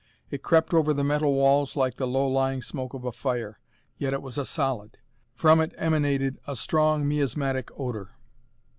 It crept over the metal walls like the low lying smoke of a fire, yet it was a solid. From it emanated a strong, miasmatic odor.